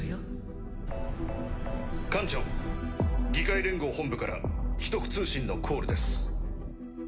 ピッピッピッ艦長議会連合本部から秘匿通信のコールです。